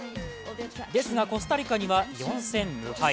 ですが、コスタリカには４戦無敗。